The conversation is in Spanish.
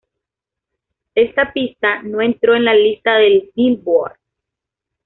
Esta pista no entró en las listas del "Billboard".